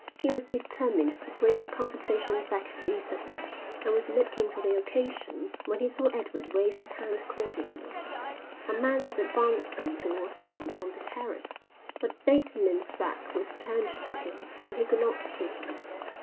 He was determined to bring the conversation back to Isabel and was looking for the occasion when he saw Edward wave his hand cordially. A man was advancing towards them on the terrace, but Bateman's back was turned to him and he could not see him.